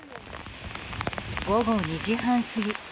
午後２時半過ぎ。